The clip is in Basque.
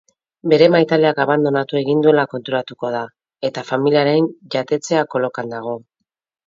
Bere maitaleak abandonatu egin duela konturatuko da, eta familiaren jatetxea kolokan dago.